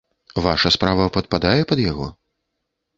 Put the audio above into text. Ваша справа падпадае пад яго?